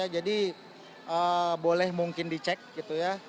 jadi boleh mungkin dicek gitu ya